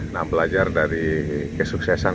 nah belajar dari kesuksesan